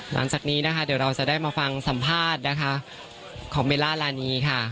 หลังจากนี้เดี๋ยวเราจะได้มาฟังสัมภาษณ์ของเวลารานีค่ะ